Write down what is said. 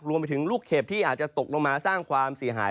รวมไปถึงลูกเห็บที่อาจจะตกลงมาสร้างความเสียหาย